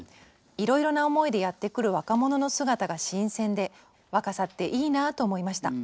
「いろいろな思いでやって来る若者の姿が新鮮で若さっていいなと思いました。